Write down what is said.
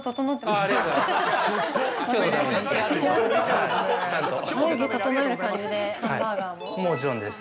ありがとうございます。